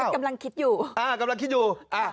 กำลังคิดอยู่